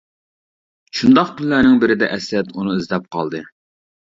شۇنداق كۈنلەرنىڭ بىرىدە ئەسئەت ئۇنى ئىزدەپ قالدى.